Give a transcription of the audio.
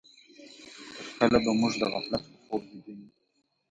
تر کله به موږ د غفلت په خوب ويده يو؟